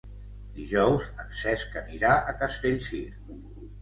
Dijous en Cesc anirà a Castellcir.